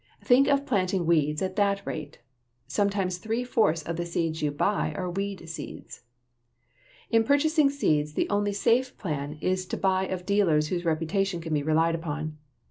Think of planting weeds at that rate! Sometimes three fourths of the seeds you buy are weed seeds. In purchasing seeds the only safe plan is to buy of dealers whose reputation can be relied upon.